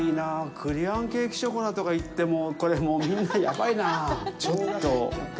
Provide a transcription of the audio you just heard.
栗餡ケーキショコラとかいって、もうこれ、みんな、ヤバいなぁ。